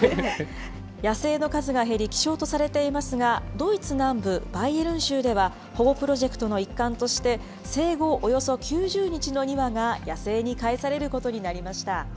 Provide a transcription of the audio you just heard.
野生の数が減り、希少とされていますが、ドイツ南部バイエルン州では、保護プロジェクトの一環として、生後およそ９０日の２羽が野生に返されることになりました。